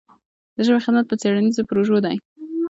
د ژبې خدمت په څېړنیزو پروژو دی.